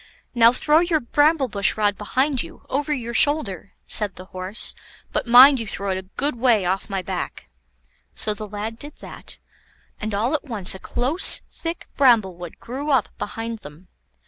"Now throw your bramble bush rod behind you, over your shoulder," said the Horse; "but mind you throw it a good way off my back." So the lad did that, and all at once a close, thick bramblewood grew up behind them.